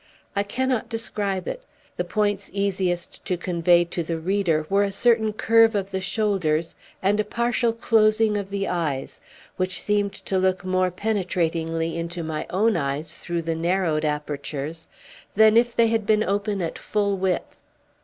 I cannot describe it. The points easiest to convey to the reader were a certain curve of the shoulders and a partial closing of the eyes, which seemed to look more penetratingly into my own eyes, through the narrowed apertures, than if they had been open at full width.